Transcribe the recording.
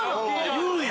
◆言うんや。